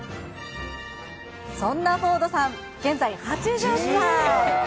そんなフォードさん、現在８０歳。